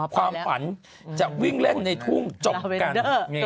ความฝันจะวิ่งเล่นในทุ่งจบกัน